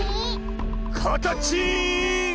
かたちん！